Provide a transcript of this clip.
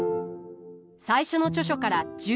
最初の著書から１０年。